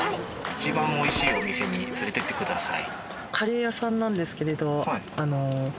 一番美味しいお店に連れてってください。